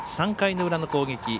３回の裏の攻撃。